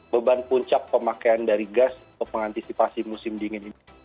beban puncak pemakaian dari gas untuk mengantisipasi musim dingin ini